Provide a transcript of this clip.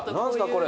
これ。